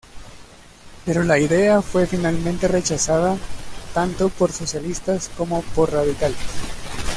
Pero la idea fue finalmente rechazada tanto por socialistas como por radicales.